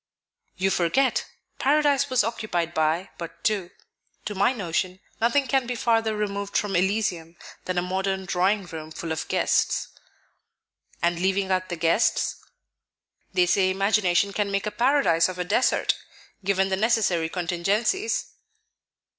"You forget; paradise was occupied by but two. To my notion, nothing can be farther removed from Elysium than a modern drawing room full of guests." "And leaving out the guests?" "They say imagination can make a paradise of a desert, given the necessary contingencies."